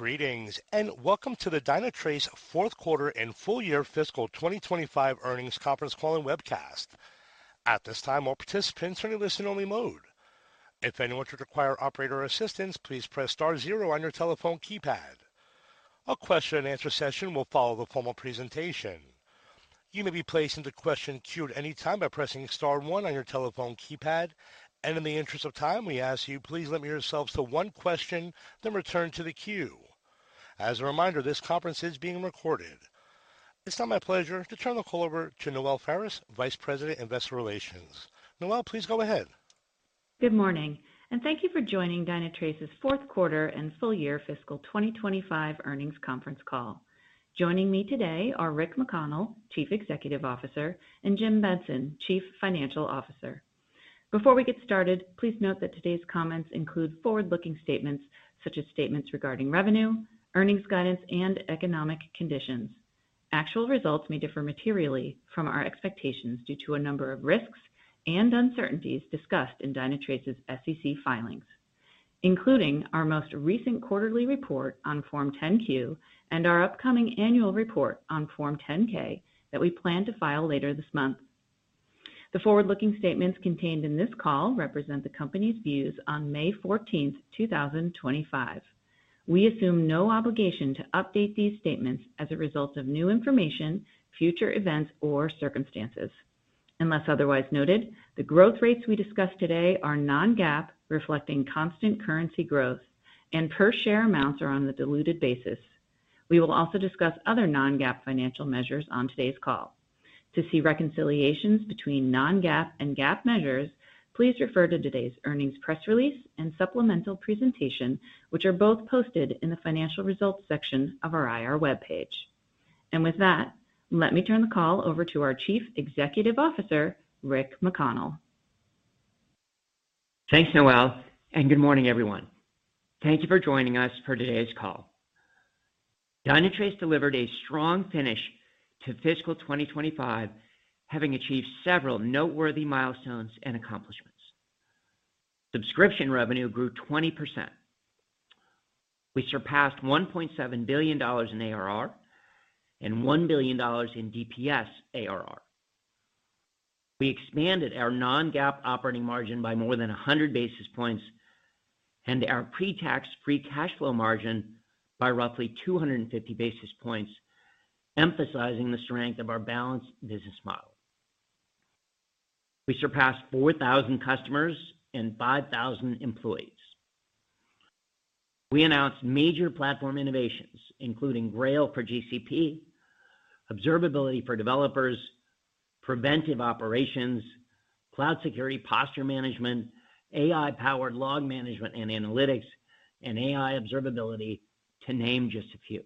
Greetings, and welcome to the Dynatrace Fourth Quarter and Full Year Fiscal 2025 Earnings Conference Call and Webcast. At this time, all participants are in listen-only mode. If anyone should require operator assistance, please press zero on your telephone keypad. A question-and-answer session will follow the formal presentation. You may be placed into question queue at any time by pressing one on your telephone keypad. In the interest of time, we ask you, please limit yourselves to one question, then return to the queue. As a reminder, this conference is being recorded. It's now my pleasure to turn the call over to Noelle Faris, Vice President, Investor Relations. Noelle, please go ahead. Good morning, and thank you for joining Dynatrace's fourth quarter and full year fiscal 2025 earnings conference call. Joining me today are Rick McConnell, Chief Executive Officer, and Jim Benson, Chief Financial Officer. Before we get *ted, please note that today's comments include forward-looking statements such as statements regarding revenue, earnings guidance, and economic conditions. Actual results may differ materially from our expectations due to a number of risks and uncertainties discussed in Dynatrace's SEC filings, including our most recent quarterly report on Form 10Q and our upcoming annual report on Form 10K that we plan to file later this month. The forward-looking statements contained in this call represent the company's views on May 14, 2025. We assume no obligation to update these statements as a result of new information, future events, or circumstances. Unless otherwise noted, the growth rates we discuss today are non-GAAP, reflecting constant currency growth, and per-share amounts are on the diluted basis. We will also discuss other non-GAAP financial measures on today's call. To see reconciliations between non-GAAP and GAAP measures, please refer to today's earnings press release and supplemental presentation, which are both posted in the financial results section of our IR web page. With that, let me turn the call over to our Chief Executive Officer, Rick McConnell. Thanks, Noelle, and good morning, everyone. Thank you for joining us for today's call. Dynatrace delivered a strong finish to Fiscal 2025, having achieved several noteworthy milestones and accomplishments. Subscription revenue grew 20%. We surpassed $1.7 billion in ARR and $1 billion in DPS ARR. We expanded our non-GAAP operating margin by more than 100 basis points and our pre-tax free cash flow margin by roughly 250 basis points, emphasizing the strength of our balanced business model. We surpassed 4,000 customers and 5,000 employees. We announced major platform innovations, including Grail for GCP, observability for developers, preventive operations, cloud security posture management, AI-powered log management and analytics, and AI observability, to name just a few.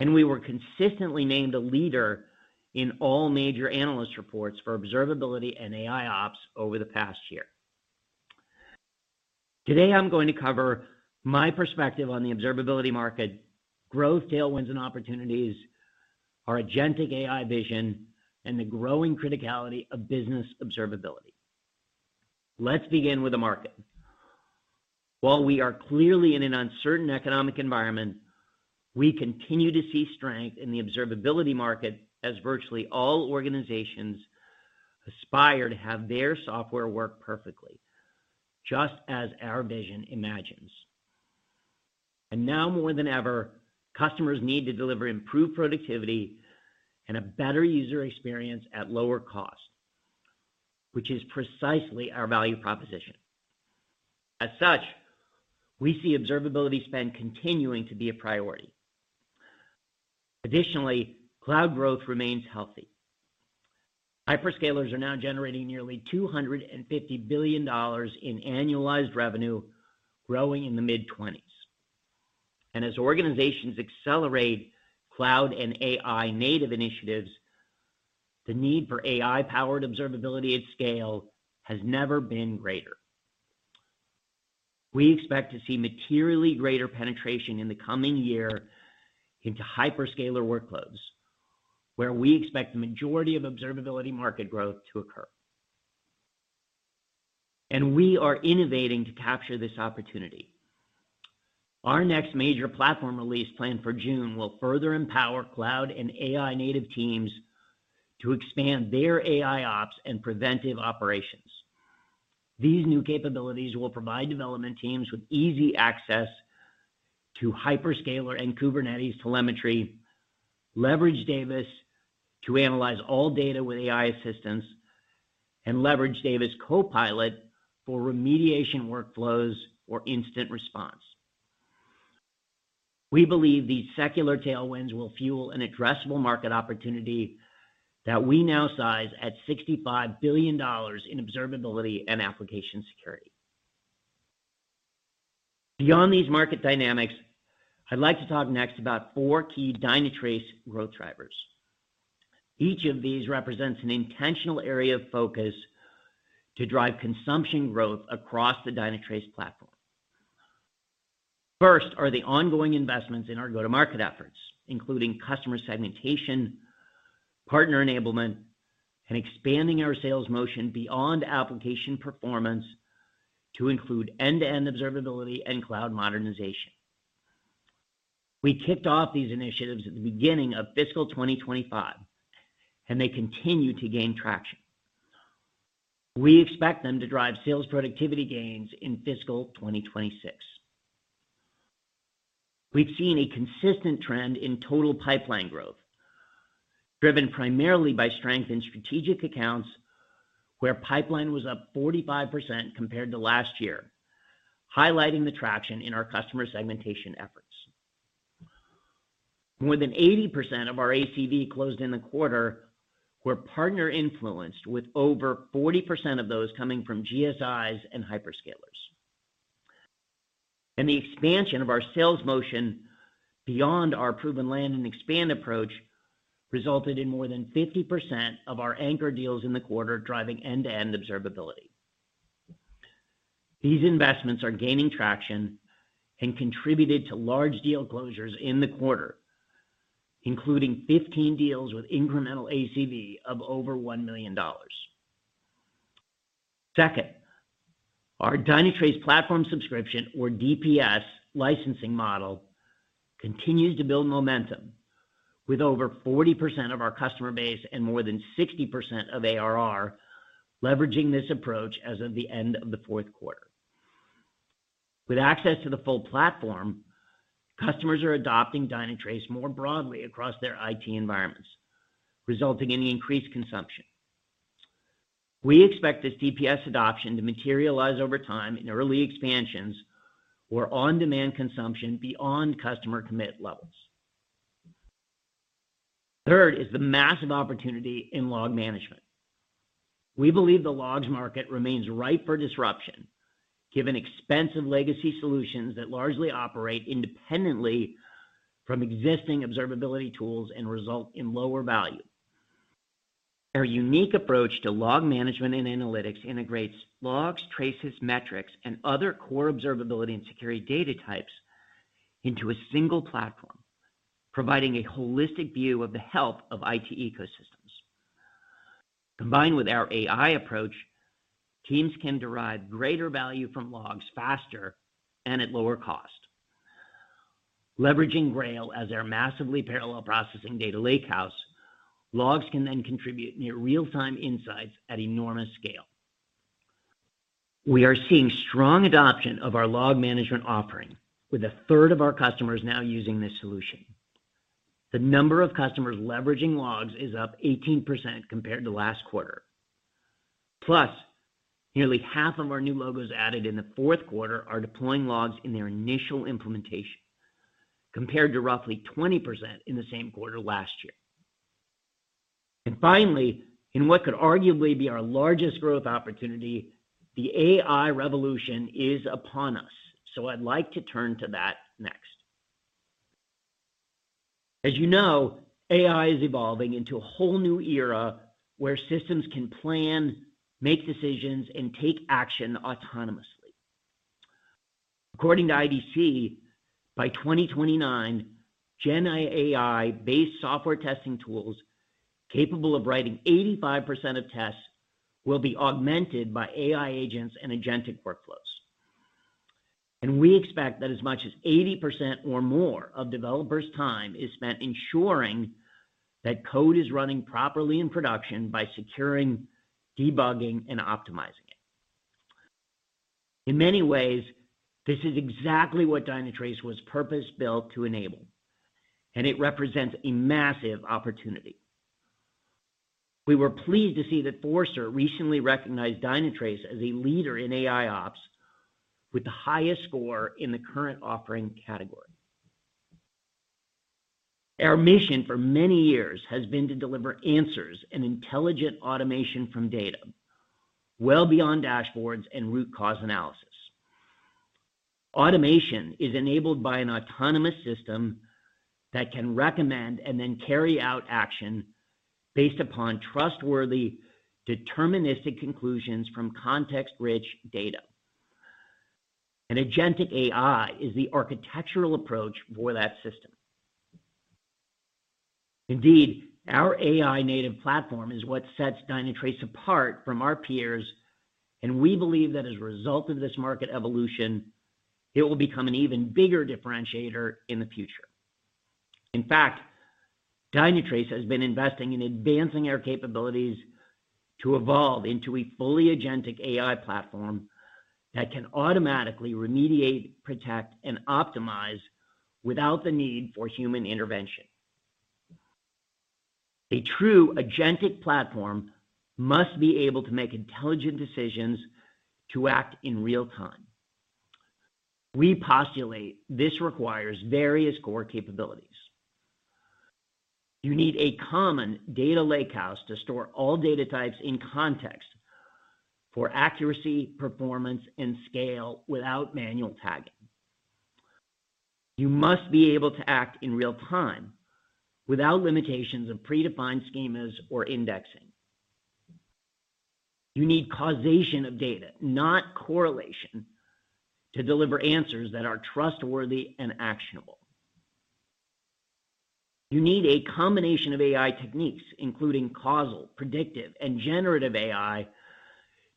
We were consistently named a leader in all major analyst reports for observability and AI ops over the past year. Today, I'm going to cover my perspective on the observability market, growth tailwinds and opportunities, our agentic AI vision, and the growing criticality of business observability. Let's begin with the market. While we are clearly in an uncertain economic environment, we continue to see strength in the observability market as virtually all organizations aspire to have their software work perfectly, just as our vision imagines. Now more than ever, customers need to deliver improved productivity and a better user experience at lower cost, which is precisely our value proposition. As such, we see observability spend continuing to be a priority. Additionally, cloud growth remains healthy. Hyperscalers are now generating nearly $250 billion in annualized revenue, growing in the mid-20s. As organizations accelerate cloud and AI-native initiatives, the need for AI-powered observability at scale has never been greater. We expect to see materially greater penetration in the coming year into hyperscaler workloads, where we expect the majority of observability market growth to occur. We are innovating to capture this opportunity. Our next major platform release planned for June will further empower cloud and AI-native teams to expand their AIOps and preventive operations. These new capabilities will provide development teams with easy access to hyperscaler and Kubernetes telemetry, leverage Davis to analyze all data with AI assistance, and leverage Davis Copilot for remediation workflows or instant response. We believe these secular tailwinds will fuel an addressable market opportunity that we now size at $65 billion in observability and application security. Beyond these market dynamics, I'd like to talk next about four key Dynatrace growth drivers. Each of these represents an intentional area of focus to drive consumption growth across the Dynatrace platform. First are the ongoing investments in our go-to-market efforts, including customer segmentation, partner enablement, and expanding our sales motion beyond application performance to include end-to-end observability and cloud modernization. We kicked off these initiatives at the beginning of Fiscal 2025, and they continue to gain traction. We expect them to drive sales productivity gains in Fiscal 2026. We've seen a consistent trend in total pipeline growth, driven primarily by strength in strategic accounts, where pipeline was up 45% compared to last year, highlighting the traction in our customer segmentation efforts. More than 80% of our ACV closed in the quarter were partner-influenced, with over 40% of those coming from GSIs and hyperscalers. The expansion of our sales motion beyond our proven land and expand approach resulted in more than 50% of our anchor deals in the quarter driving end-to-end observability. These investments are gaining traction and contributed to large deal closures in the quarter, including 15 deals with incremental ACV of over $1 million. Second, our Dynatrace platform subscription, or DPS licensing model, continues to build momentum, with over 40% of our customer base and more than 60% of ARR leveraging this approach as of the end of the fourth quarter. With access to the full platform, customers are adopting Dynatrace more broadly across their IT environments, resulting in increased consumption. We expect this DPS adoption to materialize over time in early expansions or on-demand consumption beyond customer commit levels. Third is the massive opportunity in log management. We believe the logs market remains ripe for disruption, given expensive legacy solutions that largely operate independently from existing observability tools and result in lower value. Our unique approach to log management and analytics integrates logs, traces, metrics, and other core observability and security data types into a single platform, providing a holistic view of the health of IT ecosystems. Combined with our AI approach, teams can derive greater value from logs faster and at lower cost. Leveraging Grail as our massively parallel processing data lakehouse, logs can then contribute near real-time insights at enormous scale. We are seeing strong adoption of our log management offering, with a third of our customers now using this solution. The number of customers leveraging logs is up 18% compared to last quarter. Plus, nearly half of our new logos added in the fourth quarter are deploying logs in their initial implementation, compared to roughly 20% in the same quarter last year. Finally, in what could arguably be our largest growth opportunity, the AI revolution is upon us, so I'd like to turn to that next. As you know, AI is evolving into a whole new era where systems can plan, make decisions, and take action autonomously. According to IDC, by 2029, GenAI-based software testing tools capable of writing 85% of tests will be augmented by AI agents and agentic workflows. We expect that as much as 80% or more of developers' time is spent ensuring that code is running properly in production by securing, debugging, and optimizing it. In many ways, this is exactly what Dynatrace was purpose-built to enable, and it represents a massive opportunity. We were pleased to see that Forrester recently recognized Dynatrace as a leader in AI Ops with the highest score in the current offering category. Our mission for many years has been to deliver answers and intelligent automation from data, well beyond dashboards and root cause analysis. Automation is enabled by an autonomous system that can recommend and then carry out action based upon trustworthy, deterministic conclusions from context-rich data. Agentic AI is the architectural approach for that system. Indeed, our AI-native platform is what sets Dynatrace apart from our peers, and we believe that as a result of this market evolution, it will become an even bigger differentiator in the future. In fact, Dynatrace has been investing in advancing our capabilities to evolve into a fully agentic AI platform that can automatically remediate, protect, and optimize without the need for human intervention. A true agentic platform must be able to make intelligent decisions to act in real time. We postulate this requires various core capabilities. You need a common data lakehouse to store all data types in context for accuracy, performance, and scale without manual tagging. You must be able to act in real time without limitations of predefined schemas or indexing. You need causation of data, not correlation, to deliver answers that are trustworthy and actionable. You need a combination of AI techniques, including causal, predictive, and generative AI,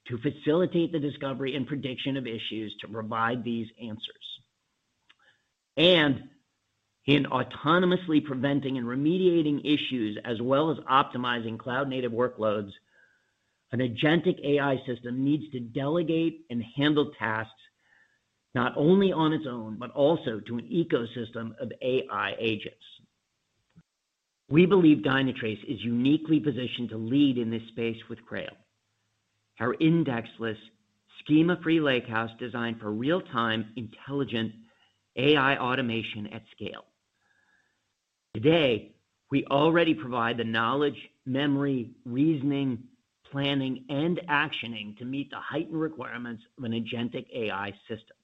to facilitate the discovery and prediction of issues to provide these answers. In autonomously preventing and remediating issues, as well as optimizing cloud-native workloads, an agentic AI system needs to delegate and handle tasks not only on its own, but also to an ecosystem of AI agents. We believe Dynatrace is uniquely positioned to lead in this space with Grail, our indexless, schema-free lakehouse designed for real-time intelligent AI automation at scale. Today, we already provide the knowledge, memory, reasoning, planning, and actioning to meet the heightened requirements of an agentic AI system.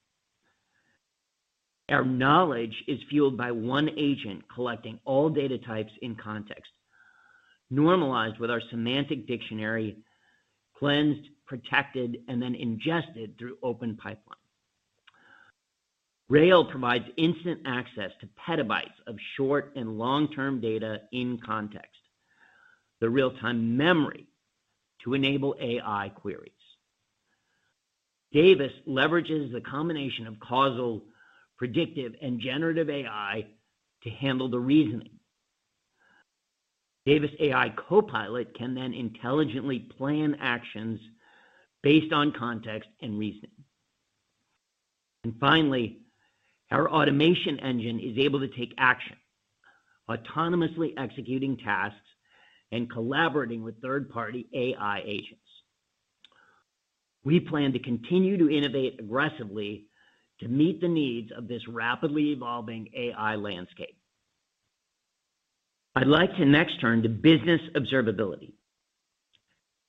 Our knowledge is fueled by one agent collecting all data types in context, normalized with our semantic dictionary, cleansed, protected, and then ingested through open pipeline. Grail provides instant access to petabytes of short and long-term data in context, the real-time memory to enable AI queries. Davis leverages the combination of causal, predictive, and generative AI to handle the reasoning. Davis Copilot can then intelligently plan actions based on context and reasoning. Finally, our automation engine is able to take action, autonomously executing tasks and collaborating with third-party AI agents. We plan to continue to innovate aggressively to meet the needs of this rapidly evolving AI landscape. I'd like to next turn to business observability.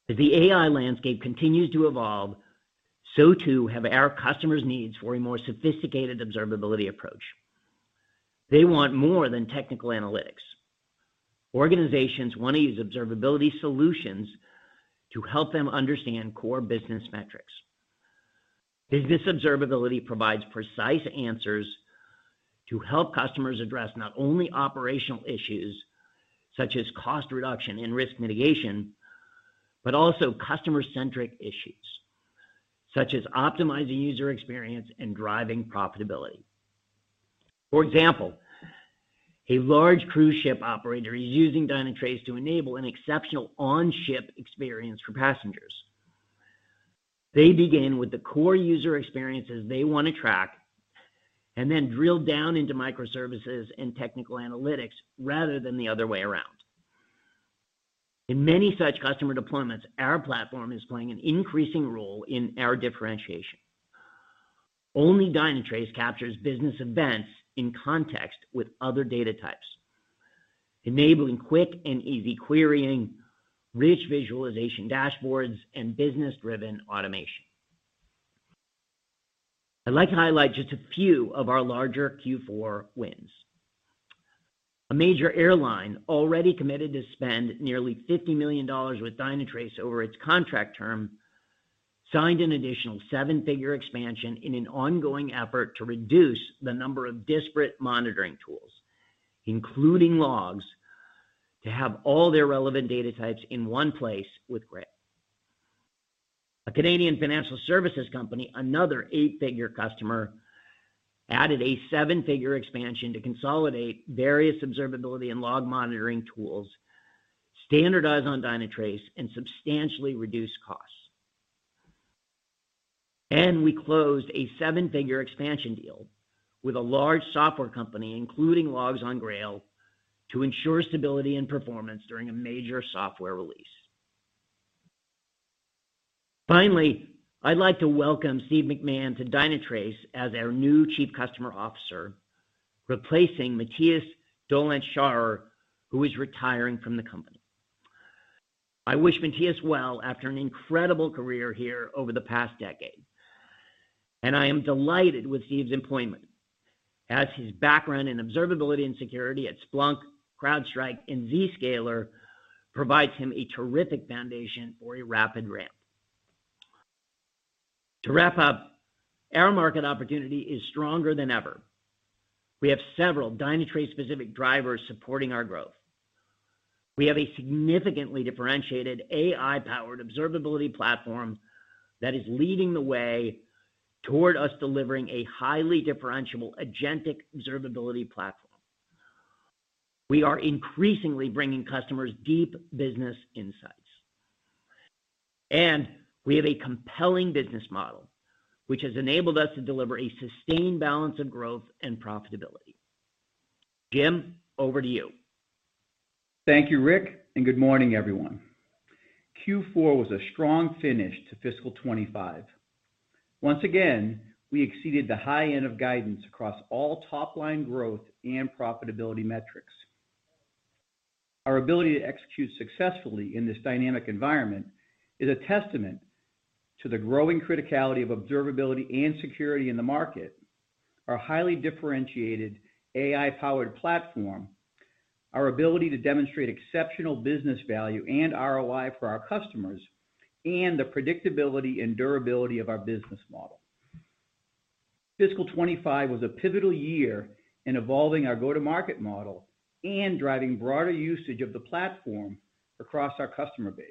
As the AI landscape continues to evolve, so too have our customers' needs for a more sophisticated observability approach. They want more than technical analytics. Organizations want to use observability solutions to help them understand core business metrics. Business observability provides precise answers to help customers address not only operational issues such as cost reduction and risk mitigation, but also customer-centric issues such as optimizing user experience and driving profitability. For example, a large cruise ship operator is using Dynatrace to enable an exceptional on-ship experience for passengers. They begin with the core user experiences they want to track and then drill down into microservices and technical analytics rather than the other way around. In many such customer deployments, our platform is playing an increasing role in our differentiation. Only Dynatrace captures business events in context with other data types, enabling quick and easy querying, rich visualization dashboards, and business-driven automation. I'd like to highlight just a few of our larger Q4 wins. A major airline already committed to spend nearly $50 million with Dynatrace over its contract term signed an additional seven-figure expansion in an ongoing effort to reduce the number of disparate monitoring tools, including logs, to have all their relevant data types in one place with Grail. A Canadian financial services company, another eight-figure customer, added a seven-figure expansion to consolidate various observability and log monitoring tools, standardize on Dynatrace, and substantially reduce costs. We closed a seven-figure expansion deal with a large software company, including Logs on Grail, to ensure stability and performance during a major software release. Finally, I'd like to welcome Steve McMahon to Dynatrace as our new Chief Customer Officer, replacing Matthias Dollentz-Scharer, who is retiring from the company. I wish Matthias well after an incredible career here over the past decade, and I am delighted with Steve's employment as his background in observability and security at Splunk, CrowdStrike, and Zscaler provides him a terrific foundation for a rapid ramp. To wrap up, our market opportunity is stronger than ever. We have several Dynatrace-specific drivers supporting our growth. We have a significantly differentiated AI-powered observability platform that is leading the way toward us delivering a highly differentiable agentic observability platform. We are increasingly bringing customers deep business insights. We have a compelling business model, which has enabled us to deliver a sustained balance of growth and profitability. Jim, over to you. Thank you, Rick, and good morning, everyone. Q4 was a strong finish to fiscal 2025. Once again, we exceeded the high end of guidance across all top-line growth and profitability metrics. Our ability to execute successfully in this dynamic environment is a testament to the growing criticality of observability and security in the market, our highly differentiated AI-powered platform, our ability to demonstrate exceptional business value and ROI for our customers, and the predictability and durability of our business model. Fiscal 2025 was a pivotal year in evolving our go-to-market model and driving broader usage of the platform across our customer base.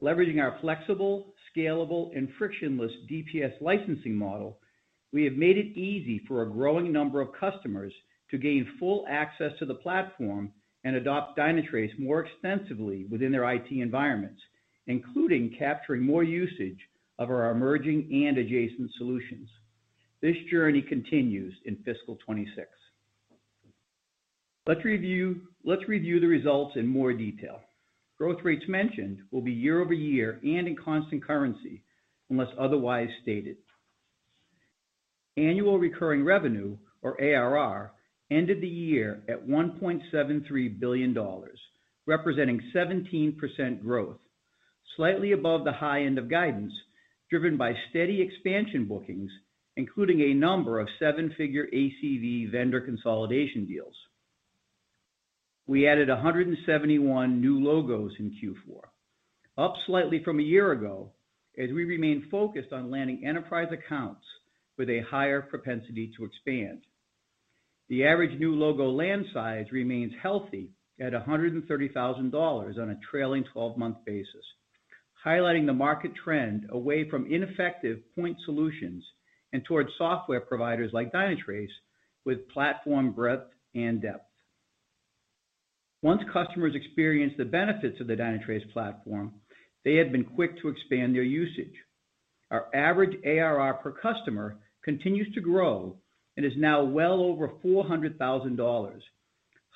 Leveraging our flexible, scalable, and frictionless DPS licensing model, we have made it easy for a growing number of customers to gain full access to the platform and adopt Dynatrace more extensively within their IT environments, including capturing more usage of our emerging and adjacent solutions. This journey continues in fiscal 2026. Let's review the results in more detail. Growth rates mentioned will be year-over-year and in constant currency unless otherwise stated. Annual recurring revenue, or ARR, ended the year at $1.73 billion, representing 17% growth, slightly above the high end of guidance driven by steady expansion bookings, including a number of seven-figure ACV vendor consolidation deals. We added 171 new logos in Q4, up slightly from a year ago as we remain focused on landing enterprise accounts with a higher propensity to expand. The average new logo land size remains healthy at $130,000 on a trailing 12-month basis, highlighting the market trend away from ineffective point solutions and towards software providers like Dynatrace with platform breadth and depth. Once customers experienced the benefits of the Dynatrace platform, they had been quick to expand their usage. Our average ARR per customer continues to grow and is now well over $400,000,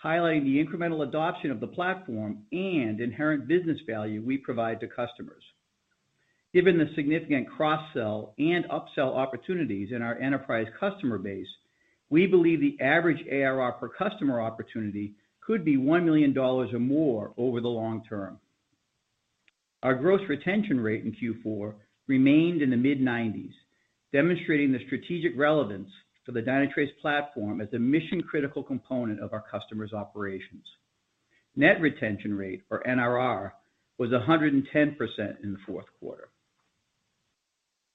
highlighting the incremental adoption of the platform and inherent business value we provide to customers. Given the significant cross-sell and upsell opportunities in our enterprise customer base, we believe the average ARR per customer opportunity could be $1 million or more over the long term. Our gross retention rate in Q4 remained in the mid-90s, demonstrating the strategic relevance for the Dynatrace platform as a mission-critical component of our customers' operations. Net retention rate, or NRR, was 110% in the fourth quarter.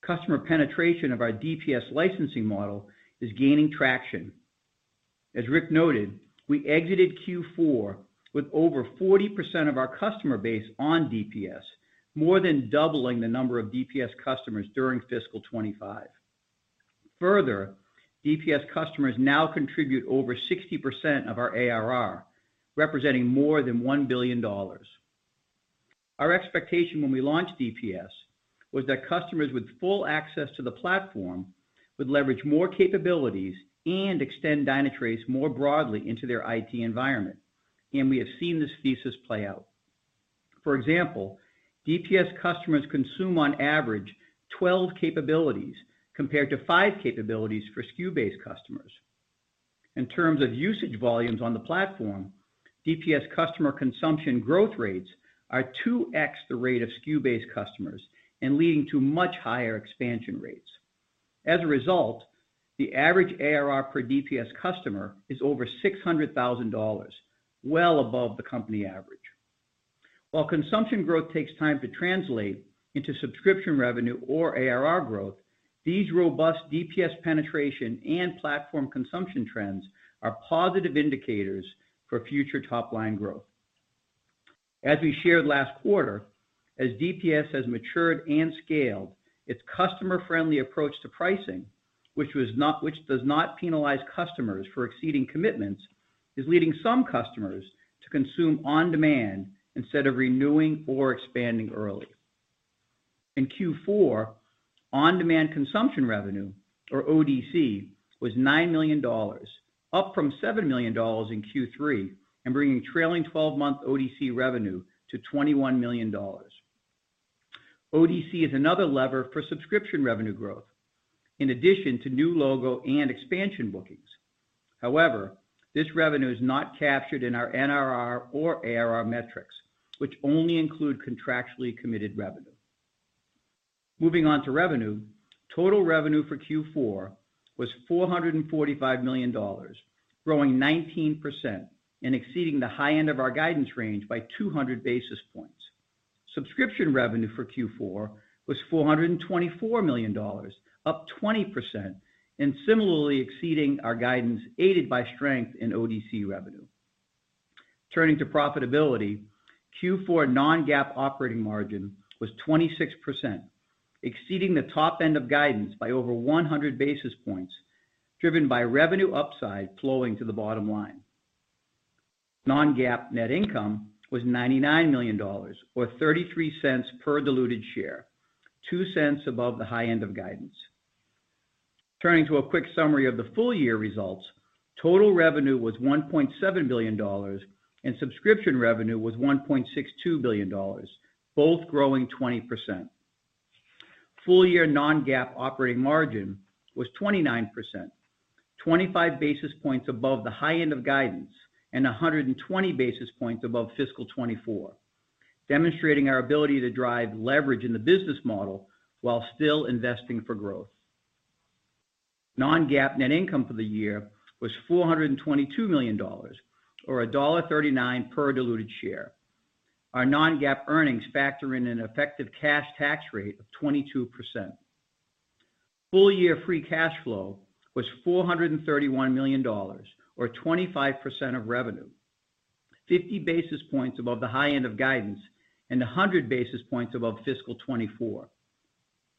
Customer penetration of our DPS licensing model is gaining traction. As Rick noted, we exited Q4 with over 40% of our customer base on DPS, more than doubling the number of DPS customers during fiscal 2025. Further, DPS customers now contribute over 60% of our ARR, representing more than $1 billion. Our expectation when we launched DPS was that customers with full access to the platform would leverage more capabilities and extend Dynatrace more broadly into their IT environment, and we have seen this thesis play out. For example, DPS customers consume on average 12 capabilities compared to 5 capabilities for SKU-based customers. In terms of usage volumes on the platform, DPS customer consumption growth rates are 2x the rate of SKU-based customers and leading to much higher expansion rates. As a result, the average ARR per DPS customer is over $600,000, well above the company average. While consumption growth takes time to translate into subscription revenue or ARR growth, these robust DPS penetration and platform consumption trends are positive indicators for future top-line growth. As we shared last quarter, as DPS has matured and scaled, its customer-friendly approach to pricing, which does not penalize customers for exceeding commitments, is leading some customers to consume on demand instead of renewing or expanding early. In Q4, on-demand consumption revenue, or ODC, was $9 million, up from $7 million in Q3 and bringing trailing 12-month ODC revenue to $21 million. ODC is another lever for subscription revenue growth, in addition to new logo and expansion bookings. However, this revenue is not captured in our NRR or ARR metrics, which only include contractually committed revenue. Moving on to revenue, total revenue for Q4 was $445 million, growing 19% and exceeding the high end of our guidance range by 200 basis points. Subscription revenue for Q4 was $424 million, up 20% and similarly exceeding our guidance, aided by strength in ODC revenue. Turning to profitability, Q4 non-GAAP operating margin was 26%, exceeding the top end of guidance by over 100 basis points, driven by revenue upside flowing to the bottom line. Non-GAAP net income was $99 million, or 33 cents per diluted share, 2 cents above the high end of guidance. Turning to a quick summary of the full-year results, total revenue was $1.7 billion and subscription revenue was $1.62 billion, both growing 20%. Full-year non-GAAP operating margin was 29%, 25 basis points above the high end of guidance and 120 basis points above fiscal 2024, demonstrating our ability to drive leverage in the business model while still investing for growth. Non-GAAP net income for the year was $422 million, or $1.39 per diluted share. Our non-GAAP earnings factor in an effective cash tax rate of 22%. Full-year free cash flow was $431 million, or 25% of revenue, 50 basis points above the high end of guidance and 100 basis points above fiscal 2024.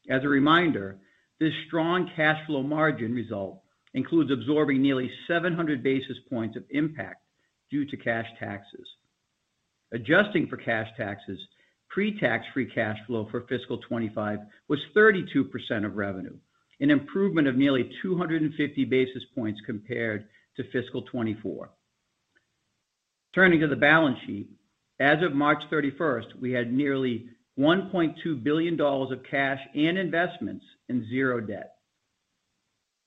As a reminder, this strong cash flow margin result includes absorbing nearly 700 basis points of impact due to cash taxes. Adjusting for cash taxes, pre-tax free cash flow for fiscal 2025 was 32% of revenue, an improvement of nearly 250 basis points compared to fiscal 2024. Turning to the balance sheet, as of March 31, we had nearly $1.2 billion of cash and investments and zero debt.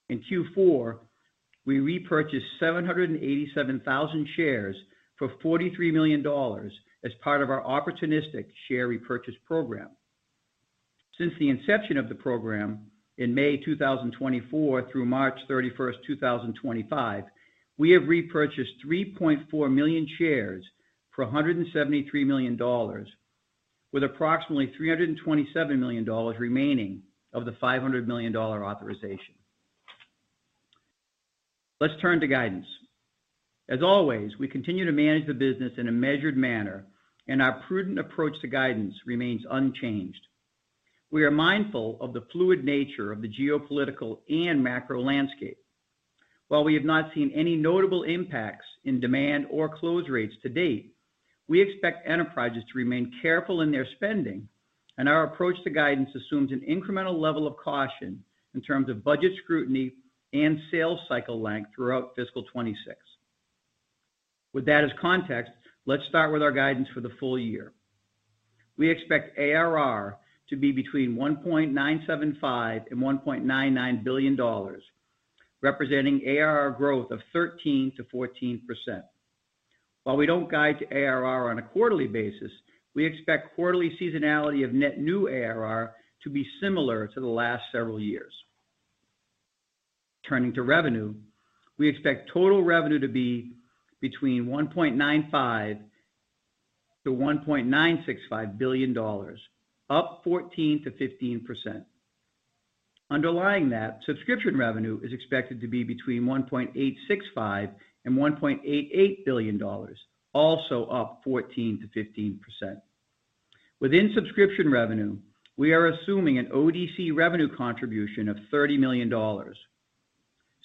In Q4, we repurchased 787,000 shares for $43 million as part of our Opportunistic Share Repurchase Program. Since the inception of the program in May 2024 through March 31, 2025, we have repurchased 3.4 million shares for $173 million, with approximately $327 million remaining of the $500 million authorization. Let's turn to guidance. As always, we continue to manage the business in a measured manner, and our prudent approach to guidance remains unchanged. We are mindful of the fluid nature of the geopolitical and macro landscape. While we have not seen any notable impacts in demand or close rates to date, we expect enterprises to remain careful in their spending, and our approach to guidance assumes an incremental level of caution in terms of budget scrutiny and sales cycle length throughout fiscal 2026. With that as context, let's *t with our guidance for the full year. We expect ARR to be between $1.975 billion and $1.99 billion, representing ARR growth of 13% to 14%. While we don't guide to ARR on a quarterly basis, we expect quarterly seasonality of net new ARR to be similar to the last several years. Turning to revenue, we expect total revenue to be between $1.95-$1.965 billion, up 14%-15%. Underlying that, subscription revenue is expected to be between $1.865-$1.88 billion, also up 14%-15%. Within subscription revenue, we are assuming an ODC revenue contribution of $30 million.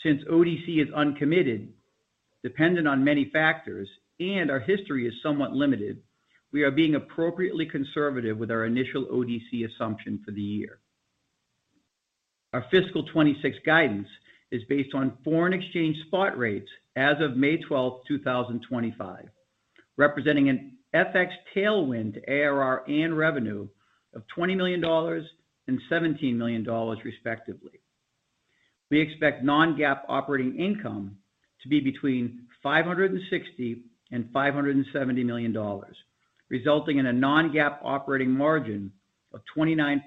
Since ODC is uncommitted, dependent on many factors, and our history is somewhat limited, we are being appropriately conservative with our initial ODC assumption for the year. Our fiscal 2026 guidance is based on foreign exchange spot rates as of May 12th, 2025, representing an FX tailwind to ARR and revenue of $20 million and $17 million, respectively. We expect non-GAAP operating income to be between $560-$570 million, resulting in a non-GAAP operating margin of 29%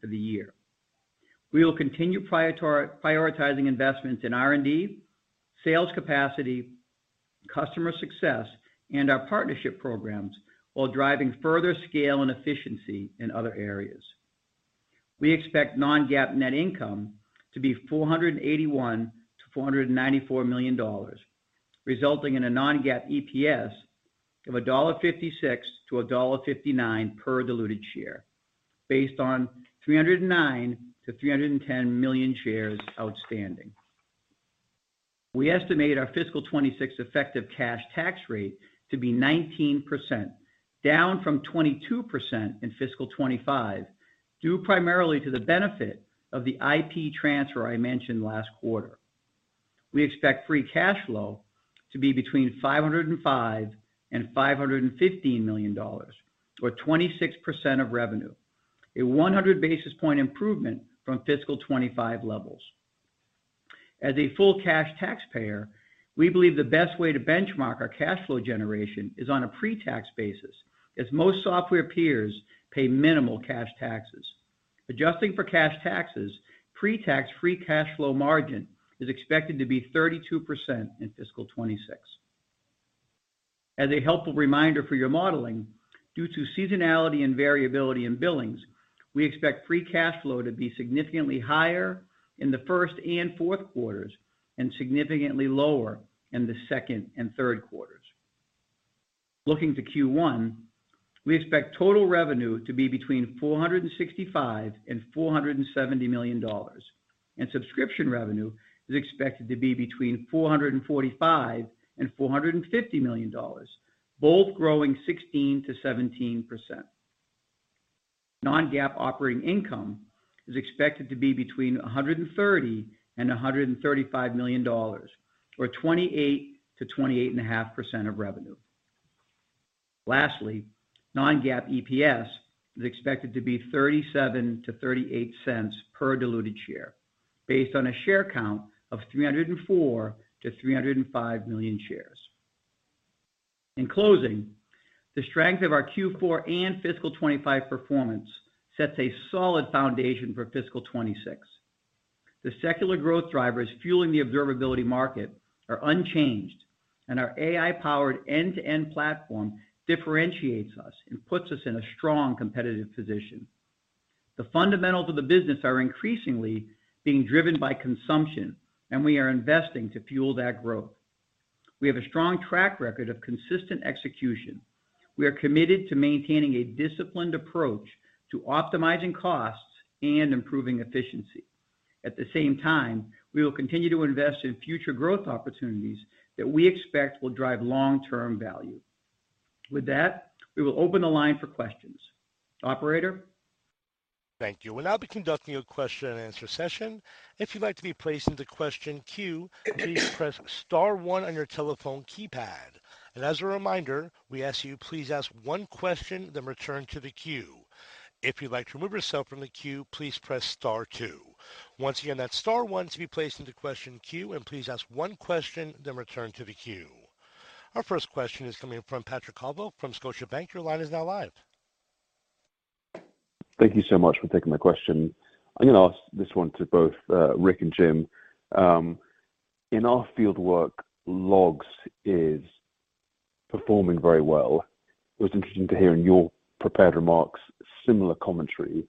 for the year. We will continue prioritizing investments in R&D, sales capacity, customer success, and our partnership programs while driving further scale and efficiency in other areas. We expect non-GAAP net income to be $481-$494 million, resulting in a non-GAAP EPS of $1.56-$1.59 per diluted share, based on 309-310 million shares outstanding. We estimate our fiscal 2026 effective cash tax rate to be 19%, down from 22% in fiscal 2025, due primarily to the benefit of the IP transfer I mentioned last quarter. We expect free cash flow to be between $505-$515 million, or 26% of revenue, a 100 basis point improvement from fiscal 2025 levels. As a full cash taxpayer, we believe the best way to benchmark our cash flow generation is on a pre-tax basis, as most software peers pay minimal cash taxes. Adjusting for cash taxes, pre-tax free cash flow margin is expected to be 32% in fiscal 2026. As a helpful reminder for your modeling, due to seasonality and variability in billings, we expect free cash flow to be significantly higher in the first and fourth quarters and significantly lower in the second and third quarters. Looking to Q1, we expect total revenue to be between $465-$470 million, and subscription revenue is expected to be between $445-$450 million, both growing 16%-17%. Non-GAAP operating income is expected to be between $130-$135 million, or 28%-28.5% of revenue. Lastly, non-GAAP EPS is expected to be $0.37-$0.38 per diluted share, based on a share count of 304-305 million shares. In closing, the strength of our Q4 and fiscal 2025 performance sets a solid foundation for fiscal 2026. The secular growth drivers fueling the observability market are unchanged, and our AI-powered end-to-end platform differentiates us and puts us in a strong competitive position. The fundamentals of the business are increasingly being driven by consumption, and we are investing to fuel that growth. We have a strong track record of consistent execution. We are committed to maintaining a disciplined approach to optimizing costs and improving efficiency. At the same time, we will continue to invest in future growth opportunities that we expect will drive long-term value. With that, we will open the line for questions. Operator? Thank you. We'll now be conducting a question-and-answer session. If you'd like to be placed into question queue, please press * one on your telephone keypad. As a reminder, we ask you, please ask one question, then return to the queue. If you'd like to remove yourself from the queue, please press * two. Once again, that's * one to be placed into question queue, and please ask one question, then return to the queue. Our first question is coming from Patrick Colville from Scotiabank. Your line is now live. Thank you so much for taking my question. I'm going to ask this one to both Rick and Jim. In our fieldwork, logs is performing very well. It was interesting to hear in your prepared remarks similar commentary.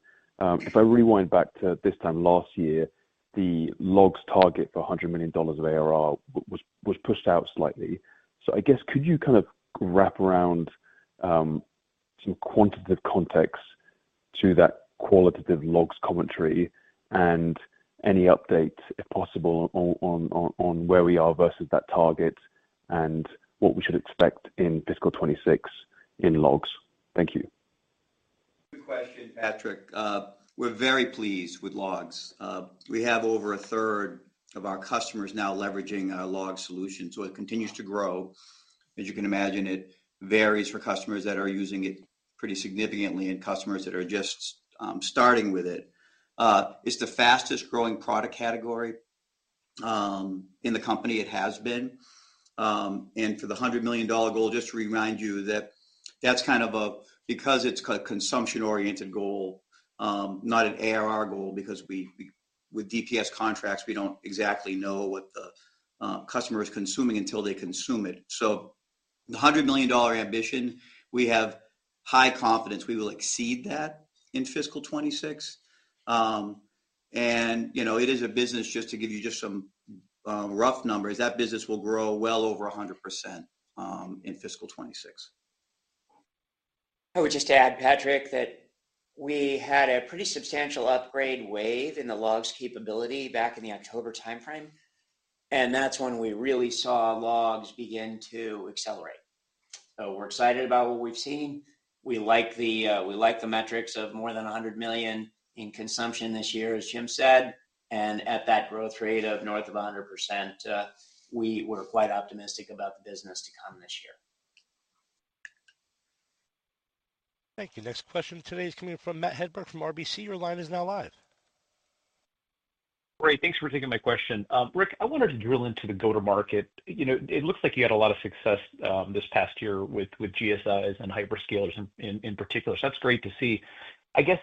If I rewind back to this time last year, the logs target for $100 million of ARR was pushed out slightly. So I guess, could you kind of wrap around some quantitative context to that qualitative logs commentary and any updates, if possible, on where we are versus that target and what we should expect in fiscal 2026 in logs? Thank you. Good question, Patrick. We're very pleased with logs. We have over a third of our customers now leveraging our log solution, so it continues to grow. As you can imagine, it varies for customers that are using it pretty significantly and customers that are just starting with it. It's the fastest-growing product category in the company. It has been. For the $100 million goal, just to remind you that that's kind of a, because it's a consumption-oriented goal, not an ARR goal, because with DPS contracts, we don't exactly know what the customer is consuming until they consume it. The $100 million ambition, we have high confidence we will exceed that in fiscal 2026. It is a business, just to give you just some rough numbers, that business will grow well over 100% in fiscal 2026. I would just add, Patrick, that we had a pretty substantial upgrade wave in the logs capability back in the October timeframe, and that's when we really saw logs begin to accelerate. We are excited about what we've seen. We like the metrics of more than $100 million in consumption this year, as Jim said. At that growth rate of north of 100%, we were quite optimistic about the business to come this year. Thank you. Next question today is coming from Matt Hedberg from RBC. Your line is now live. Great. Thanks for taking my question. Rick, I wanted to drill into the go-to-market. It looks like you had a lot of success this past year with GSIs and hyperscalers in particular. That is great to see. I guess,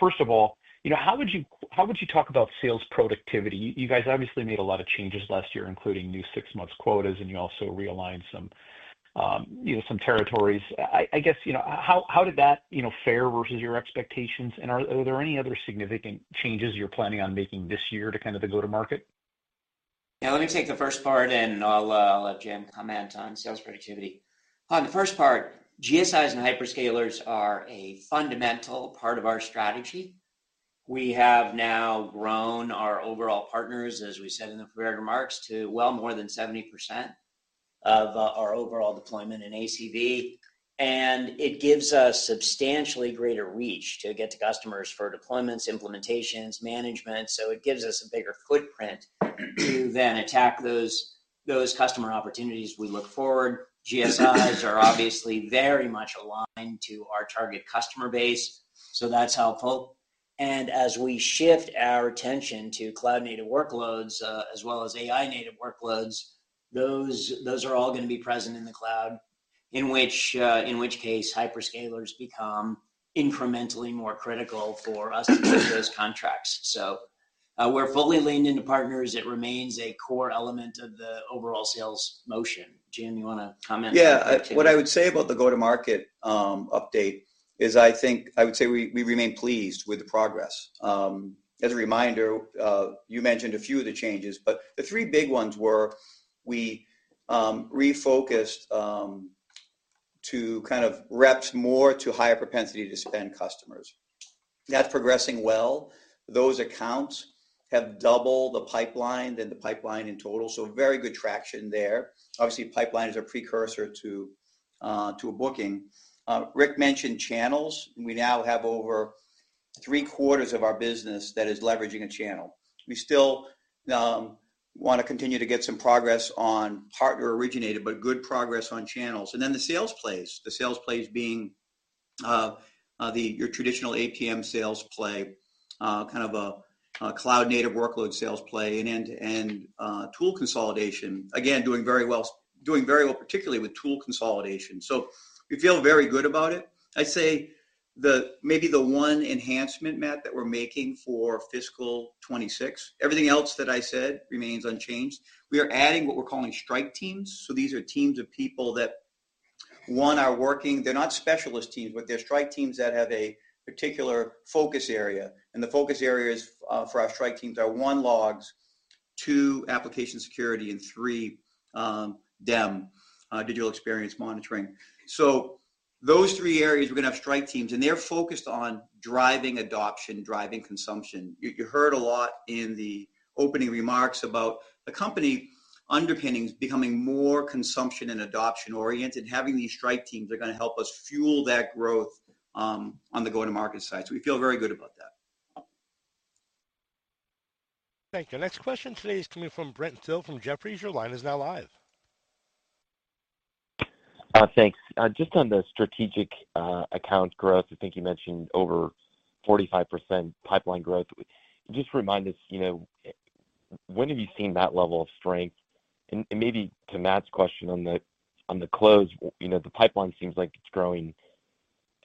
first of all, how would you talk about sales productivity? You guys obviously made a lot of changes last year, including new six-month quotas, and you also realigned some territories. I guess, how did that fare versus your expectations? Are there any other significant changes you're planning on making this year to kind of the go-to-market? Yeah. Let me take the first part, and I'll let Jim comment on sales productivity. On the first part, GSIs and hyperscalers are a fundamental part of our strategy. We have now grown our overall partners, as we said in the prepared remarks, to well more than 70% of our overall deployment in ACV. It gives us substantially greater reach to get to customers for deployments, implementations, management. It gives us a bigger footprint to then attack those customer opportunities we look forward. GSIs are obviously very much aligned to our target customer base, so that's helpful. As we shift our attention to cloud-native workloads as well as AI-native workloads, those are all going to be present in the cloud, in which case, hyperscalers become incrementally more critical for us to take those contracts. We are fully leaned into partners. It remains a core element of the overall sales motion. Jim, you want to comment? Yeah. What I would say about the go-to-market update is I think I would say we remain pleased with the progress. As a reminder, you mentioned a few of the changes, but the three big ones were we refocused to kind of rep more to higher propensity to spend customers. That is progressing well. Those accounts have doubled the pipeline than the pipeline in total, so very good traction there. Obviously, pipeline is a precursor to a booking. Rick mentioned channels. We now have over three-quarters of our business that is leveraging a channel. We still want to continue to get some progress on partner-originated, but good progress on channels. The sales plays, the sales plays being your traditional APM sales play, kind of a cloud-native workload sales play, and end-to-end tool consolidation, again, doing very well, particularly with tool consolidation. We feel very good about it. I'd say maybe the one enhancement, Matt, that we're making for fiscal 2026, everything else that I said remains unchanged. We are adding what we're calling strike teams. These are teams of people that, one, are working. They're not specialist teams, but they're strike teams that have a particular focus area. The focus areas for our strike teams are one, logs; two, application security; and three, DEM digital experience monitoring. Those three areas, we're going to have strike teams, and they're focused on driving adoption, driving consumption. You heard a lot in the opening remarks about the company underpinnings becoming more consumption and adoption-oriented, and having these strike teams are going to help us fuel that growth on the go-to-market side. We feel very good about that. Thank you. Next question today is coming from Brent Thill from Jefferies. Your line is now live. Thanks. Just on the strategic account growth, I think you mentioned over 45% pipeline growth. Just remind us, when have you seen that level of strength? Maybe to Matt's question on the close, the pipeline seems like it's growing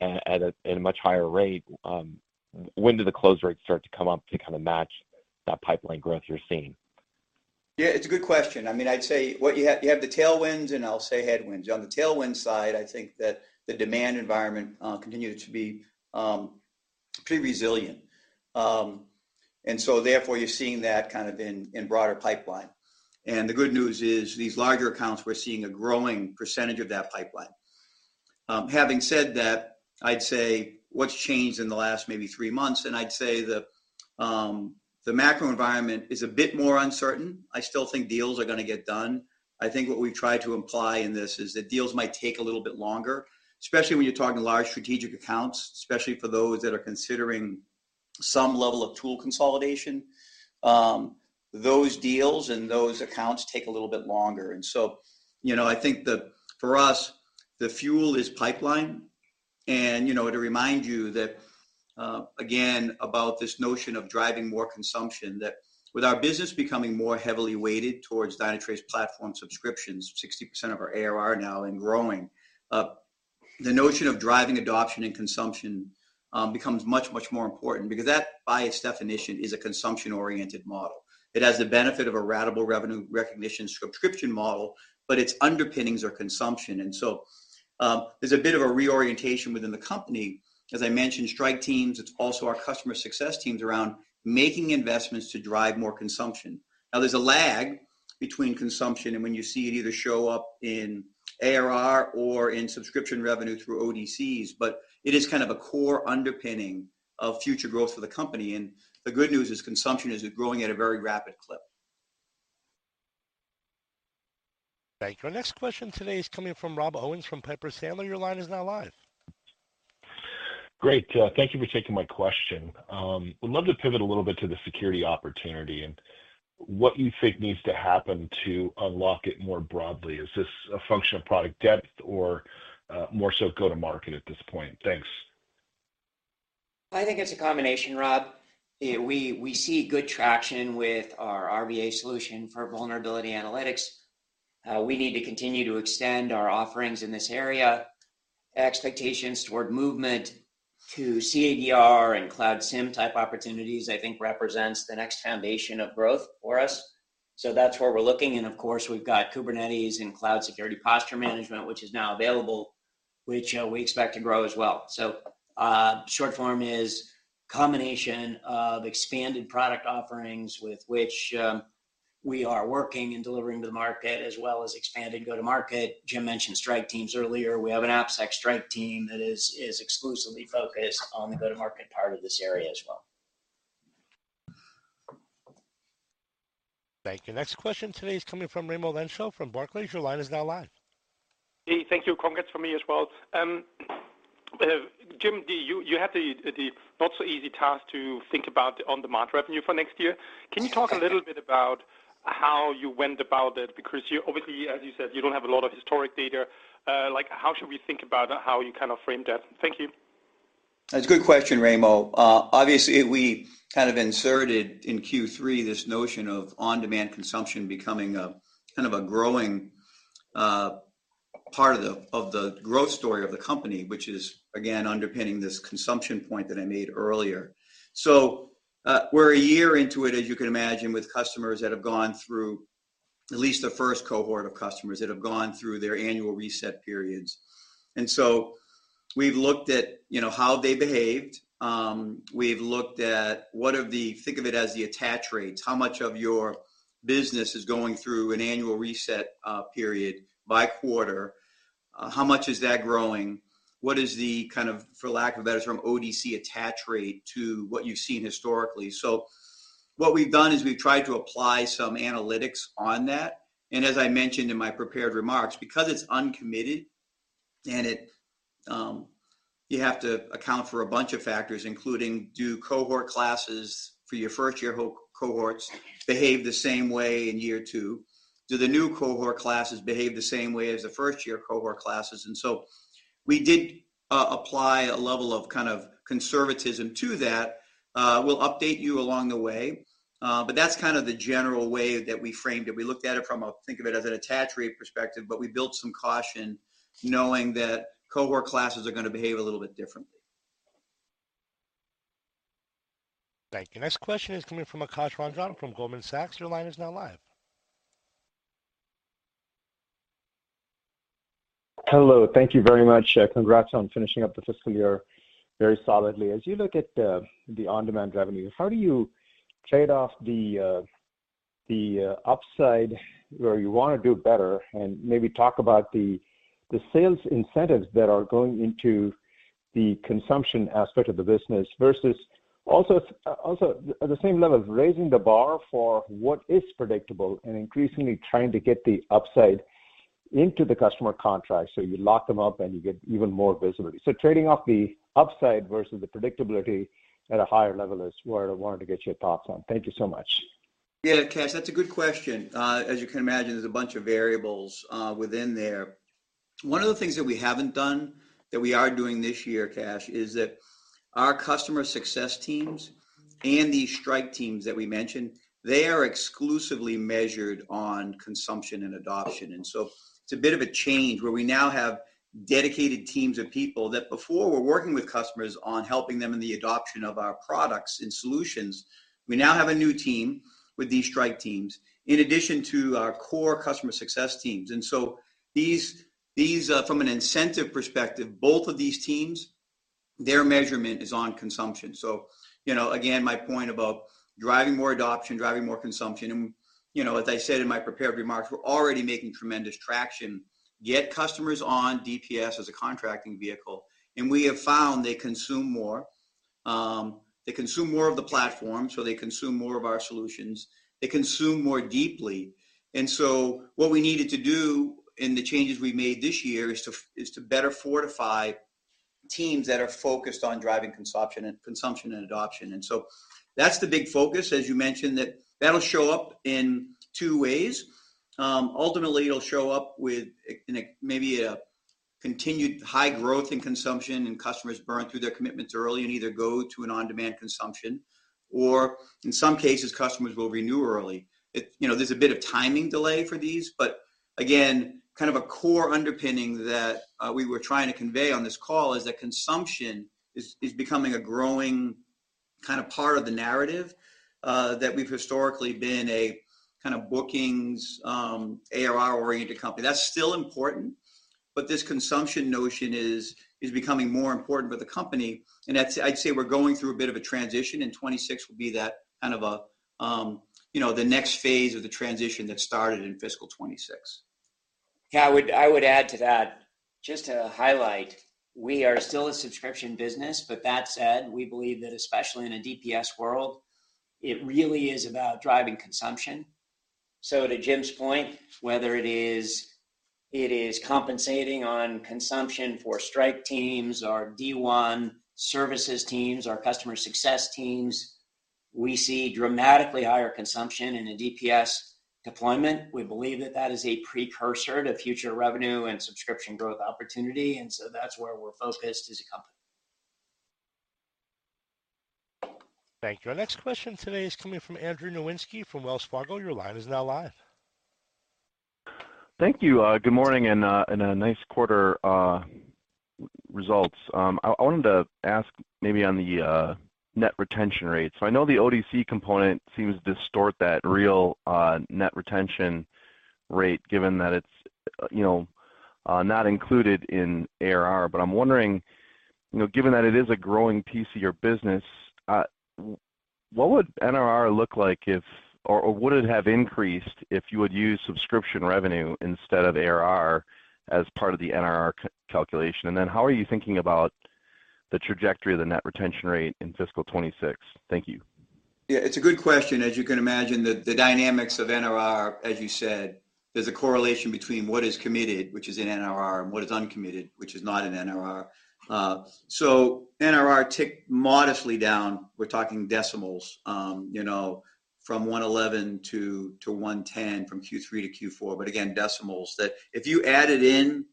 at a much higher rate. When do the close rates start to come up to kind of match that pipeline growth you're seeing? Yeah. It's a good question. I mean, I'd say you have the tailwinds, and I'll say headwinds. On the tailwind side, I think that the demand environment continues to be pretty resilient. Therefore, you're seeing that kind of in broader pipeline. The good news is these larger accounts, we're seeing a growing percentage of that pipeline. Having said that, I'd say what's changed in the last maybe three months, I'd say the macro environment is a bit more uncertain. I still think deals are going to get done. I think what we've tried to imply in this is that deals might take a little bit longer, especially when you're talking large strategic accounts, especially for those that are considering some level of tool consolidation. Those deals and those accounts take a little bit longer. I think for us, the fuel is pipeline. To remind you that, again, about this notion of driving more consumption, with our business becoming more heavily weighted towards Dynatrace platform subscriptions, 60% of our ARR now and growing, the notion of driving adoption and consumption becomes much, much more important because that, by its definition, is a consumption-oriented model. It has the benefit of a ratable revenue recognition subscription model, but its underpinnings are consumption. There is a bit of a reorientation within the company. As I mentioned, strike teams, it is also our customer success teams around making investments to drive more consumption. There is a lag between consumption and when you see it either show up in ARR or in subscription revenue through ODCs, but it is kind of a core underpinning of future growth for the company. The good news is consumption is growing at a very rapid clip. Thank you. Our next question today is coming from Rob Owens from Piper Sandler. Your line is now live. Great. Thank you for taking my question. Would love to pivot a little bit to the security opportunity and what you think needs to happen to unlock it more broadly. Is this a function of product depth or more so go-to-market at this point? Thanks. I think it's a combination, Rob. We see good traction with our RBA solution for vulnerability analytics. We need to continue to extend our offerings in this area. Expectations toward movement to CADR and Cloud SIM type opportunities, I think, represents the next foundation of growth for us. That is where we're looking. Of course, we've got Kubernetes and Cloud Security Posture Management, which is now available, which we expect to grow as well. Short form is a combination of expanded product offerings with which we are working and delivering to the market, as well as expanded go-to-market. Jim mentioned strike teams earlier. We have an AppSec strike team that is exclusively focused on the go-to-market part of this area as well. Thank you. Next question today is coming from Raimo Lenschow from Barclays. Your line is now live. Hey, thank you. Congrats from me as well. Jim, you had the not-so-easy task to think about the on-demand revenue for next year. Can you talk a little bit about how you went about it? Because obviously, as you said, you do not have a lot of historic data. How should we think about how you kind of framed that? Thank you. That is a good question, Raymond. Obviously, we kind of inserted in Q3 this notion of on-demand consumption becoming kind of a growing part of the growth story of the company, which is, again, underpinning this consumption point that I made earlier. We are a year into it, as you can imagine, with customers that have gone through at least the first cohort of customers that have gone through their annual reset periods. We have looked at how they behaved. We have looked at what of the, think of it as the attach rates. How much of your business is going through an annual reset period by quarter? How much is that growing? What is the kind of, for lack of a better term, ODC attach rate to what you have seen historically? What we have done is we have tried to apply some analytics on that. As I mentioned in my prepared remarks, because it is uncommitted and you have to account for a bunch of factors, including do cohort classes for your first-year cohorts behave the same way in year two? Do the new cohort classes behave the same way as the first-year cohort classes? We did apply a level of kind of conservatism to that. We will update you along the way. That is kind of the general way that we framed it. We looked at it from a think of it as an attach rate perspective, but we built some caution knowing that cohort classes are going to behave a little bit differently. Thank you. Next question is coming from Akash Ranjan from Goldman Sachs. Your line is now live. Hello. Thank you very much. Congrats on finishing up the fiscal year very solidly. As you look at the on-demand revenue, how do you trade off the upside where you want to do better and maybe talk about the sales incentives that are going into the consumption aspect of the business versus also at the same level of raising the bar for what is predictable and increasingly trying to get the upside into the customer contract so you lock them up and you get even more visibility? Trading off the upside versus the predictability at a higher level is where I wanted to get your thoughts on. Thank you so much. Yeah, Akash, that's a good question. As you can imagine, there's a bunch of variables within there. One of the things that we haven't done that we are doing this year, Akash, is that our customer success teams and these strike teams that we mentioned, they are exclusively measured on consumption and adoption. It is a bit of a change where we now have dedicated teams of people that before were working with customers on helping them in the adoption of our products and solutions. We now have a new team with these strike teams in addition to our core customer success teams. From an incentive perspective, both of these teams, their measurement is on consumption. Again, my point about driving more adoption, driving more consumption, and as I said in my prepared remarks, we're already making tremendous traction. Get customers on DPS as a contracting vehicle. We have found they consume more. They consume more of the platform, so they consume more of our solutions. They consume more deeply. What we needed to do in the changes we made this year is to better fortify teams that are focused on driving consumption and adoption. That is the big focus, as you mentioned, that will show up in two ways. Ultimately, it will show up with maybe a continued high growth in consumption and customers burn through their commitments early and either go to an on-demand consumption or, in some cases, customers will renew early. There is a bit of timing delay for these, but again, kind of a core underpinning that we were trying to convey on this call is that consumption is becoming a growing kind of part of the narrative that we have historically been a kind of bookings ARR-oriented company. That's still important, but this consumption notion is becoming more important for the company. I'd say we're going through a bit of a transition, and 2026 will be that kind of the next phase of the transition that started in fiscal 2026. Yeah, I would add to that. Just to highlight, we are still a subscription business, but that said, we believe that especially in a DPS world, it really is about driving consumption. To Jim's point, whether it is compensating on consumption for strike teams or D1 services teams or customer success teams, we see dramatically higher consumption in a DPS deployment. We believe that that is a precursor to future revenue and subscription growth opportunity. That's where we're focused as a company. Thank you. Our next question today is coming from Andrew Nowinski from Wells Fargo. Your line is now live. Thank you. Good morning and a nice quarter results. I wanted to ask maybe on the net retention rate. I know the ODC component seems to distort that real net retention rate given that it's not included in ARR, but I'm wondering, given that it is a growing piece of your business, what would NRR look like if or would it have increased if you would use subscription revenue instead of ARR as part of the NRR calculation? How are you thinking about the trajectory of the net retention rate in fiscal 2026? Thank you. Yeah, it's a good question. As you can imagine, the dynamics of NRR, as you said, there's a correlation between what is committed, which is in NRR, and what is uncommitted, which is not in NRR. NRR ticked modestly down. We're talking decimals from 111 to 110 from Q3 to Q4, but again, decimals that if you added in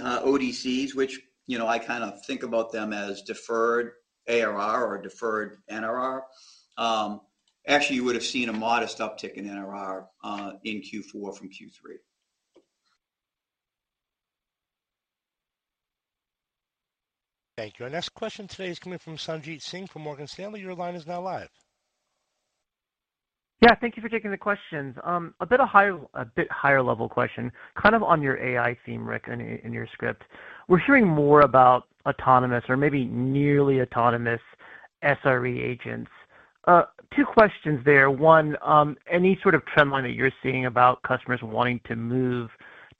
ODCs, which I kind of think about them as deferred ARR or deferred NRR, actually you would have seen a modest uptick in NRR in Q4 from Q3. Thank you. Our next question today is coming from Sanjit Singh from Morgan Stanley. Your line is now live. Yeah, thank you for taking the questions. A bit higher level question, kind of on your AI theme, Rick, in your script. We're hearing more about autonomous or maybe nearly autonomous SRE agents. Two questions there. One, any sort of trend line that you're seeing about customers wanting to move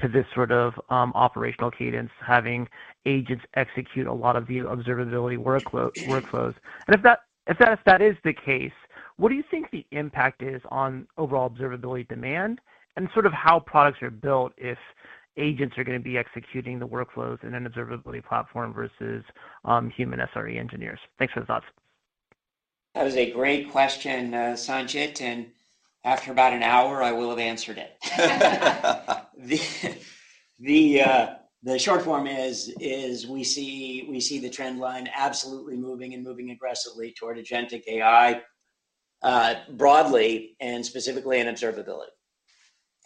to this sort of operational cadence, having agents execute a lot of the observability workflows? If that is the case, what do you think the impact is on overall observability demand and sort of how products are built if agents are going to be executing the workflows in an observability platform versus human SRE engineers? Thanks for the thoughts. That was a great question, Sanjit. After about an hour, I will have answered it. The short form is we see the trend line absolutely moving and moving aggressively toward agentic AI broadly and specifically in observability.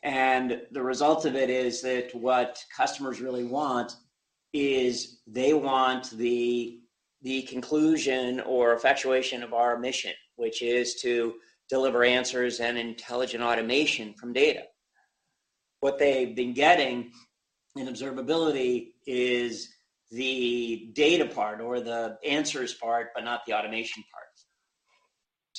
The result of it is that what customers really want is they want the conclusion or effectuation of our mission, which is to deliver answers and intelligent automation from data. What they have been getting in observability is the data part or the answers part, but not the automation part.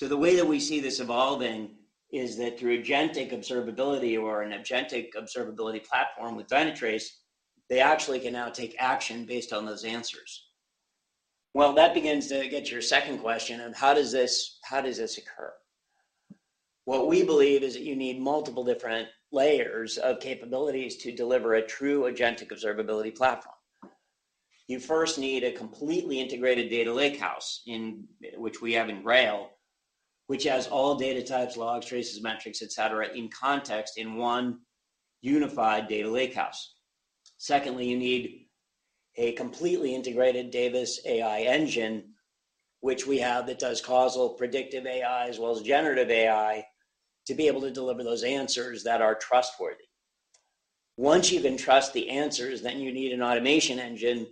The way that we see this evolving is that through agentic observability or an agentic observability platform with Dynatrace, they actually can now take action based on those answers. That begins to get to your second question of how does this occur? What we believe is that you need multiple different layers of capabilities to deliver a true agentic observability platform. You first need a completely integrated data lakehouse, which we have in Grail, which has all data types, logs, traces, metrics, etc., in context in one unified data lakehouse. Secondly, you need a completely integrated Davis AI engine, which we have that does causal predictive AI as well as generative AI to be able to deliver those answers that are trustworthy. Once you can trust the answers, then you need an automation engine,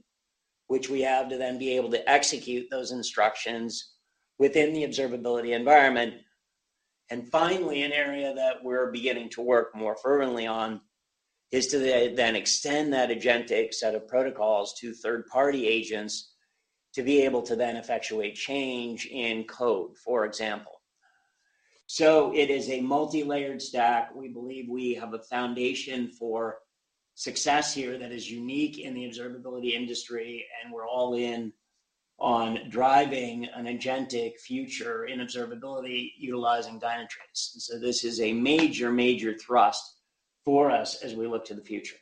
which we have to then be able to execute those instructions within the observability environment. Finally, an area that we're beginning to work more fervently on is to then extend that agentic set of protocols to third-party agents to be able to then effectuate change in code, for example. It is a multi-layered stack. We believe we have a foundation for success here that is unique in the observability industry, and we're all in on driving an agentic future in observability utilizing Dynatrace. This is a major, major thrust for us as we look to the future.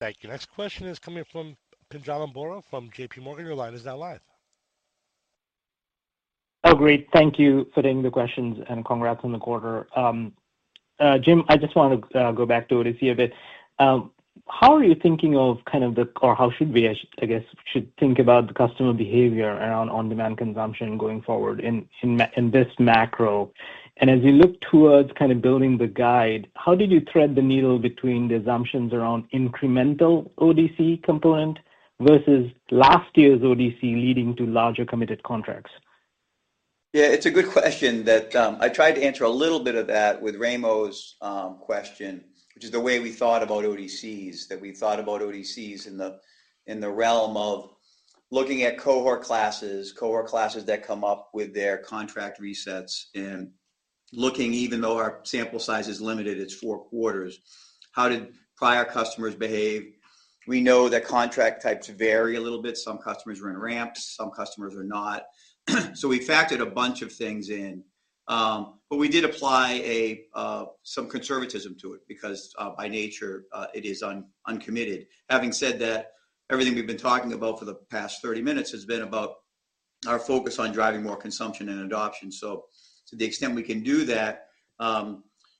Thank you. Next question is coming from Pinjalim Bora from JP Morgan. Your line is now live. Oh, great. Thank you for taking the questions and congrats on the quarter. Jim, I just want to go back to ODC a bit. How are you thinking of kind of the or how should we, I guess, think about the customer behavior around on-demand consumption going forward in this macro? As we look towards kind of building the guide, how did you thread the needle between the assumptions around incremental ODC component versus last year's ODC leading to larger committed contracts? Yeah, it's a good question that I tried to answer a little bit of that with Raymond's question, which is the way we thought about ODC is that we thought about ODC in the realm of looking at cohort classes, cohort classes that come up with their contract resets and looking, even though our sample size is limited, it's four quarters. How did prior customers behave? We know that contract types vary a little bit. Some customers were in ramps. Some customers were not. We factored a bunch of things in, but we did apply some conservatism to it because by nature, it is uncommitted. Having said that, everything we've been talking about for the past 30 minutes has been about our focus on driving more consumption and adoption. To the extent we can do that,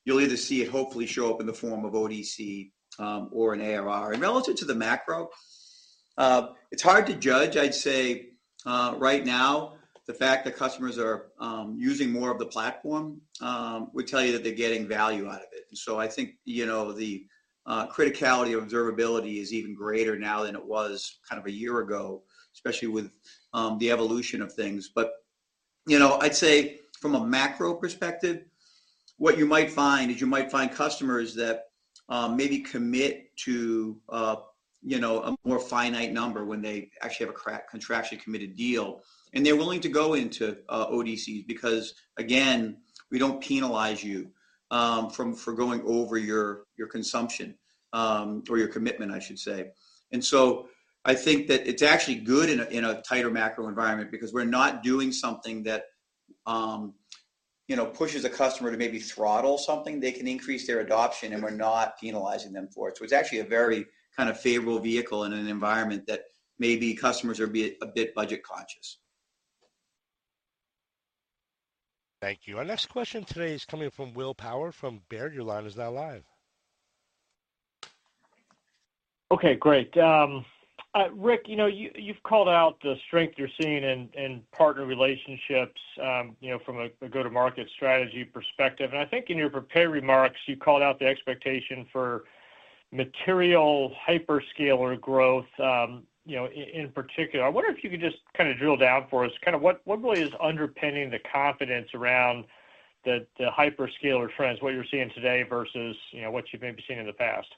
you'll either see it hopefully show up in the form of ODC or an ARR. Relative to the macro, it's hard to judge. I'd say right now, the fact that customers are using more of the platform would tell you that they're getting value out of it. I think the criticality of observability is even greater now than it was kind of a year ago, especially with the evolution of things. I'd say from a macro perspective, what you might find is you might find customers that maybe commit to a more finite number when they actually have a contractually committed deal, and they're willing to go into ODCs because, again, we don't penalize you for going over your consumption or your commitment, I should say. I think that it's actually good in a tighter macro environment because we're not doing something that pushes a customer to maybe throttle something. They can increase their adoption, and we're not penalizing them for it. It's actually a very kind of favorable vehicle in an environment that maybe customers are a bit budget conscious. Thank you. Our next question today is coming from Will Power from Baird. Your line is now live. Okay, great. Rick, you've called out the strength you're seeing in partner relationships from a go-to-market strategy perspective. I think in your prepared remarks, you called out the expectation for material hyperscaler growth in particular. I wonder if you could just kind of drill down for us kind of what really is underpinning the confidence around the hyperscaler trends, what you're seeing today versus what you've maybe seen in the past.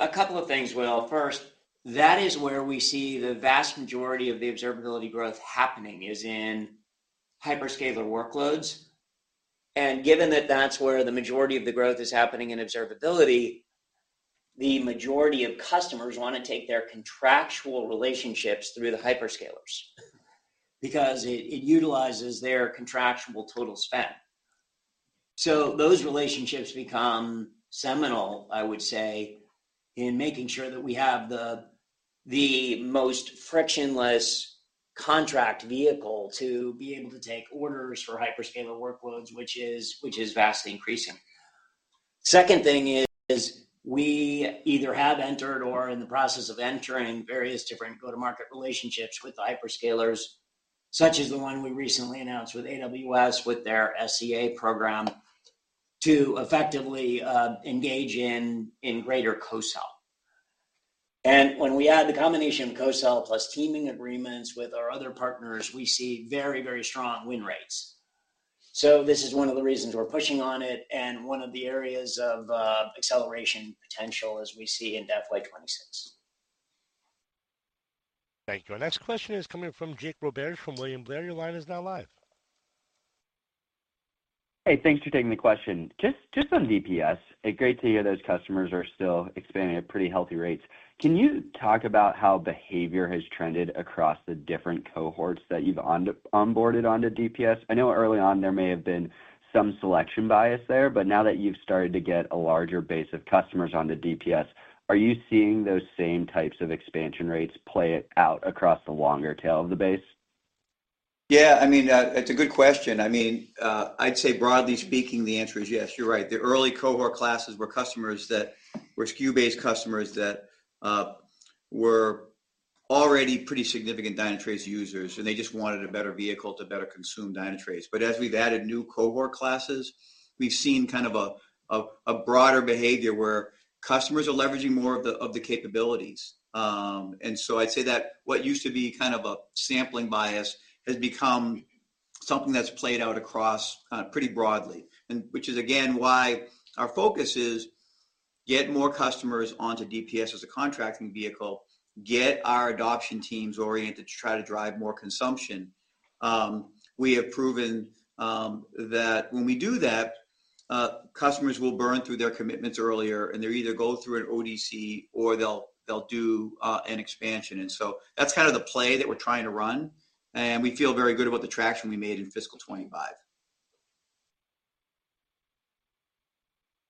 A couple of things, Will. First, that is where we see the vast majority of the observability growth happening is in hyperscaler workloads. Given that that's where the majority of the growth is happening in observability, the majority of customers want to take their contractual relationships through the hyperscalers because it utilizes their contractual total spend. Those relationships become seminal, I would say, in making sure that we have the most frictionless contract vehicle to be able to take orders for hyperscaler workloads, which is vastly increasing. Second thing is we either have entered or are in the process of entering various different go-to-market relationships with the hyperscalers, such as the one we recently announced with AWS with their SEA program to effectively engage in greater co-sell. When we add the combination of co-sell plus teaming agreements with our other partners, we see very, very strong win rates. This is one of the reasons we're pushing on it and one of the areas of acceleration potential as we see in Deflight 2026. Thank you. Our next question is coming from Jake Roberge from William Blair. Your line is now live. Hey, thanks for taking the question. Just on DPS, it's great to hear those customers are still expanding at pretty healthy rates. Can you talk about how behavior has trended across the different cohorts that you've onboarded onto DPS? I know early on there may have been some selection bias there, but now that you've started to get a larger base of customers onto DPS, are you seeing those same types of expansion rates play out across the longer tail of the base? Yeah, I mean, it's a good question. I'd say broadly speaking, the answer is yes. You're right. The early cohort classes were customers that were SKU-based customers that were already pretty significant Dynatrace users, and they just wanted a better vehicle to better consume Dynatrace. As we've added new cohort classes, we've seen kind of a broader behavior where customers are leveraging more of the capabilities. I'd say that what used to be kind of a sampling bias has become something that's played out across kind of pretty broadly, which is again why our focus is to get more customers onto DPS as a contracting vehicle, get our adoption teams oriented to try to drive more consumption. We have proven that when we do that, customers will burn through their commitments earlier, and they'll either go through an ODC or they'll do an expansion. That's kind of the play that we're trying to run. We feel very good about the traction we made in fiscal 2025.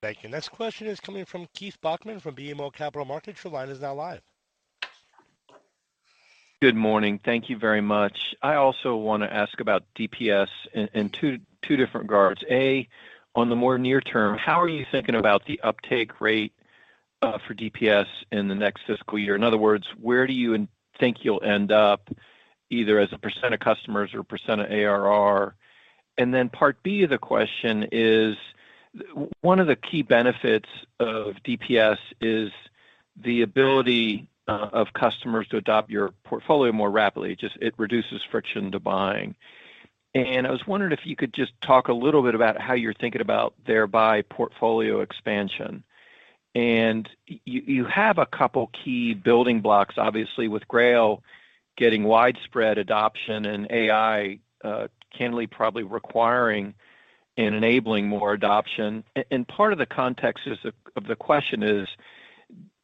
Thank you. Next question is coming from Keith Bachman from BMO Capital Markets. Your line is now live. Good morning. Thank you very much. I also want to ask about DPS in two different regards. A, on the more near term, how are you thinking about the uptake rate for DPS in the next fiscal year? In other words, where do you think you'll end up either as a % of customers or a % of ARR? Part B of the question is one of the key benefits of DPS is the ability of customers to adopt your portfolio more rapidly. It reduces friction to buying. I was wondering if you could just talk a little bit about how you're thinking about their buy portfolio expansion. You have a couple of key building blocks, obviously, with Grail getting widespread adoption and AI, candidly probably requiring and enabling more adoption. Part of the context of the question is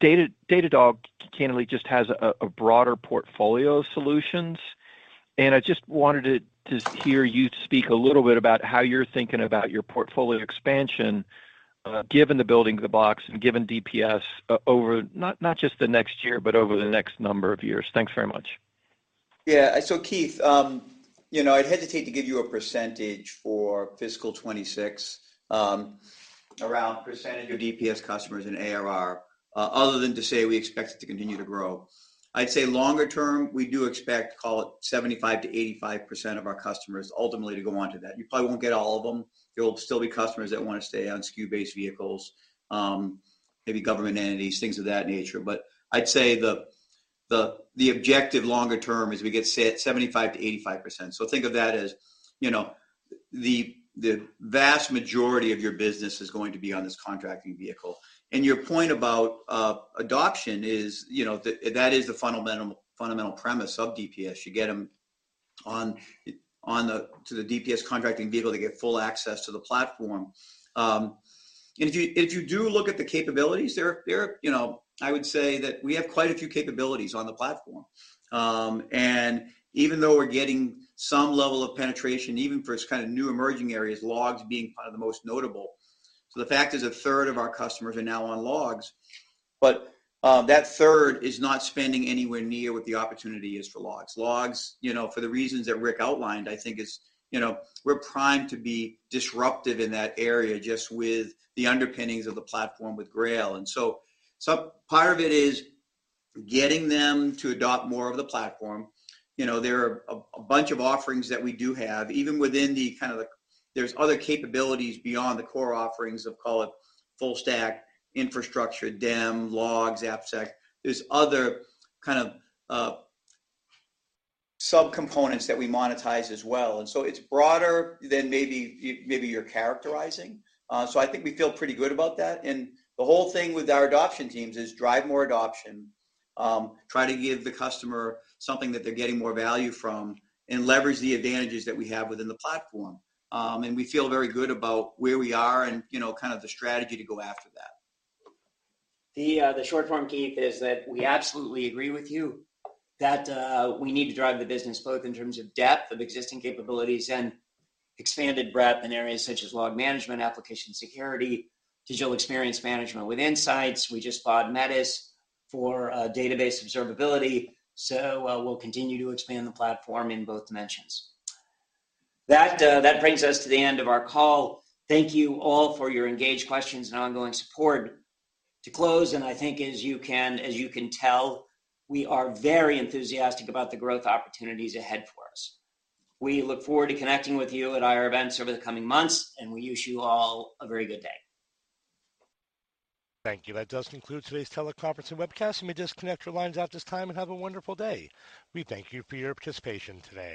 Datadog, candidly just has a broader portfolio of solutions. I just wanted to hear you speak a little bit about how you're thinking about your portfolio expansion given the building of the box and given DPS over not just the next year, but over the next number of years. Thanks very much. Yeah. Keith, I'd hesitate to give you a percentage for fiscal 2026 around percentage of DPS customers in ARR, other than to say we expect it to continue to grow. I'd say longer term, we do expect, call it 75-85% of our customers ultimately to go on to that. You probably won't get all of them. There will still be customers that want to stay on SKU-based vehicles, maybe government entities, things of that nature. I'd say the objective longer term is we get 75-85%. Think of that as the vast majority of your business is going to be on this contracting vehicle. Your point about adoption is that is the fundamental premise of DPS. You get them on to the DPS contracting vehicle to get full access to the platform. If you do look at the capabilities, I would say that we have quite a few capabilities on the platform. Even though we're getting some level of penetration, even for kind of new emerging areas, logs being part of the most notable. The fact is a third of our customers are now on logs, but that third is not spending anywhere near what the opportunity is for logs. Logs, for the reasons that Rick outlined, I think we're primed to be disruptive in that area just with the underpinnings of the platform with Grail. Part of it is getting them to adopt more of the platform. There are a bunch of offerings that we do have, even within the kind of, there are other capabilities beyond the core offerings of, call it full stack infrastructure, DEM, logs, AppSec. There are other kind of subcomponents that we monetize as well. It is broader than maybe you are characterizing. I think we feel pretty good about that. The whole thing with our adoption teams is drive more adoption, try to give the customer something that they are getting more value from, and leverage the advantages that we have within the platform. We feel very good about where we are and the strategy to go after that. The short form, Keith, is that we absolutely agree with you that we need to drive the business both in terms of depth of existing capabilities and expanded breadth in areas such as log management, application security, digital experience management with insights. We just bought Metis for database observability. So we'll continue to expand the platform in both dimensions. That brings us to the end of our call. Thank you all for your engaged questions and ongoing support. To close, and I think as you can tell, we are very enthusiastic about the growth opportunities ahead for us. We look forward to connecting with you at our events over the coming months, and we wish you all a very good day. Thank you. That does conclude today's teleconference and webcast. Let me just connect your lines out this time and have a wonderful day. We thank you for your participation today.